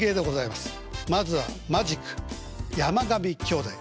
まずはマジック山上兄弟。